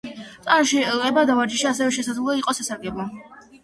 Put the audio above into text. წონაში კლება და ვარჯიში, ასევე შესაძლოა იყოს სასარგებლო.